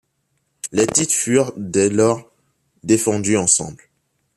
Les titres furent dès lors défendus ensemble.